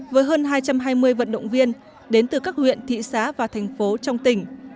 với hơn hai trăm hai mươi vận động viên đến từ các huyện thị xã và thành phố trong tỉnh